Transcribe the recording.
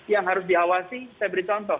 yang harus diawasi saya beri contoh